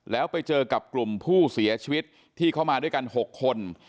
แล้วไปเจอกับกลุ่มผู้เสียชีวิตที่เข้ามาด้วยกัน๖คน